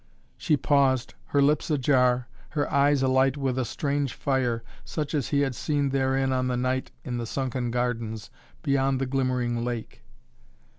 She paused, her lips ajar, her eyes alight with a strange fire, such as he had seen therein on the night in the sunken gardens, beyond the glimmering lake.